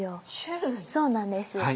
そうなんです。